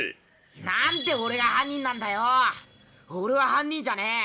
なんで俺が犯人なんだよ、俺は犯人じゃねぇ。